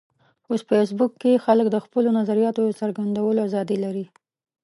په فېسبوک کې خلک د خپلو نظریاتو د څرګندولو ازادي لري